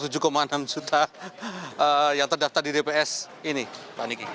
tujuh enam juta yang terdaftar di dps ini pak niki